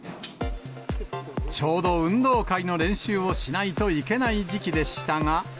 ちょうど運動会の練習をしないといけない時期でしたが。